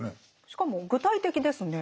しかも具体的ですね。